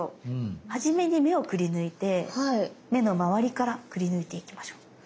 初めに目をくりぬいて目のまわりからくりぬいていきましょう。